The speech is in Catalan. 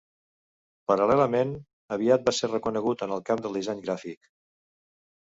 Paral·lelament, aviat va ser reconegut en el camp del disseny gràfic.